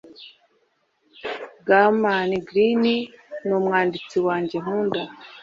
Graham Greene numwanditsi wanjye nkunda.